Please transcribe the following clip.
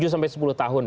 tujuh sampai sepuluh tahun